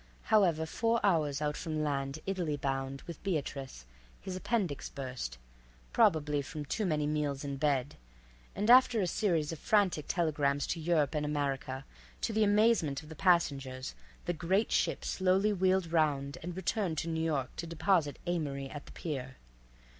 However, four hours out from land, Italy bound, with Beatrice, his appendix burst, probably from too many meals in bed, and after a series of frantic telegrams to Europe and America, to the amazement of the passengers the great ship slowly wheeled around and returned to New York to deposit Amory at the pier.